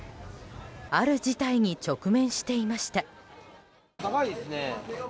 ある事態に直面していました。